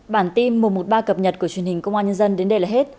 bản tin mùa một ba cập nhật của truyền hình công an nhân dân đến đây là hết